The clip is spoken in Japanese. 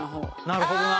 なるほどな。